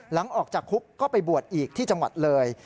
หลังจากออกจากคุกก็ไปบวชอีกที่จังหวัดเลย